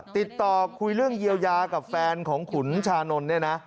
ติดต่อคุยเรื่องเยียวยากับแฟนของขุนชานนท์เนี่ยนะ